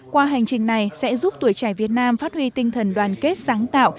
qua hành trình này sẽ giúp tuổi trẻ việt nam phát huy tinh thần đoàn kết sáng tạo